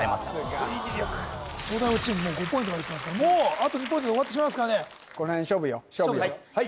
推理力東大王チームもう５ポイントまできてますからもうあと２ポイントで終わってしまいますからね